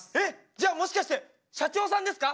じゃあもしかして社長さんですか？